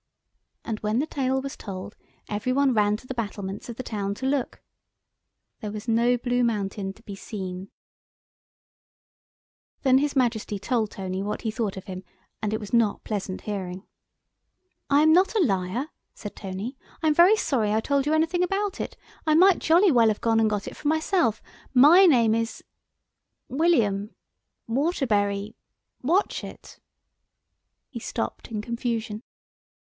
And when the tale was told every one ran to the battlements of the town to look. There was no blue mountain to be seen. [Illustration: THE GIANT LITTLE GIRL.] Then his Majesty told Tony what he thought of him, and it was not pleasant hearing. "I am not a liar," said Tony; "I am very sorry I told you anything about it; I might jolly well have gone and got it for myself. My name is——William——Waterbury——Watchett." He stopped in confusion.